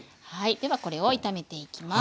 ではこれを炒めていきます。